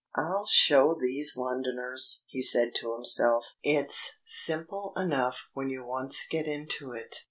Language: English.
("I'll show these Londoners!" he said to himself. "It's simple enough when you once get into it.")